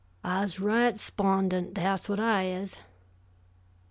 I'se right 'spondent, dat's whut I is."